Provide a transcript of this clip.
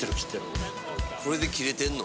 これで切れてんの？